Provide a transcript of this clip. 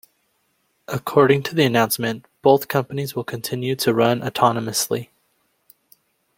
According to the announcement, both companies will continue to run autonomously.